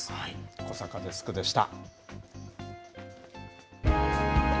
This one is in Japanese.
小坂デスクでした。